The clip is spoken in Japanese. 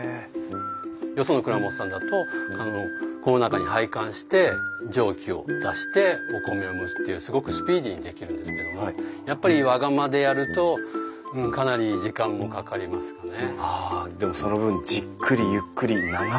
よその蔵元さんだとこの中に配管して蒸気を出してお米を蒸すというすごくスピーディーにできるんですけどもやっぱりあでもその分じっくりゆっくり長く。